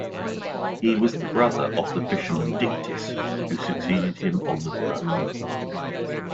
He was the brother of the fisherman Dictys who succeeded him on the throne.